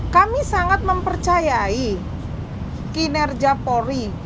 kami sangat mempercayai kinerja polri